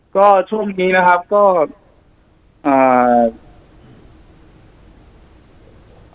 ก็ช่วงนี้นะครับก็อ่า